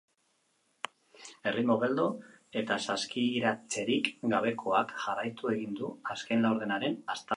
Erritmo geldo eta saskiratzerik gabekoak jarraitu egin du azken laurdenaren hastapenean.